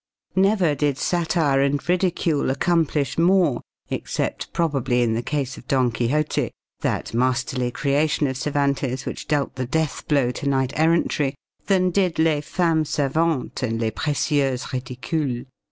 Never did satire and ridicule accomplish more, except probably in the case of Don Quixote that masterly creation of Cervantes which dealt the death blow to knight errantry than did Les Femmes Savantes and Les Précieuses Ridicules.